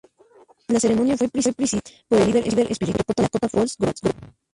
La ceremonia fue presidida por el líder espiritual Lakota Frank Fools Crow.